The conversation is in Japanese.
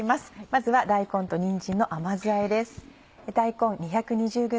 まずは「大根とにんじんの甘酢あえ」です。